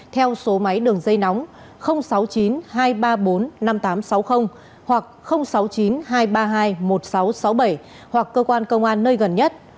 theo số máy đường dây nóng sáu mươi chín hai trăm ba mươi bốn năm nghìn tám trăm sáu mươi hoặc sáu mươi chín hai trăm ba mươi hai một nghìn sáu trăm sáu mươi bảy hoặc cơ quan công an nơi gần nhất